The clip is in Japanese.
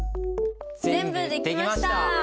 全部できました！